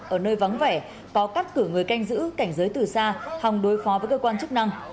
ở nơi vắng vẻ có cắt cử người canh giữ cảnh giới từ xa hòng đối phó với cơ quan chức năng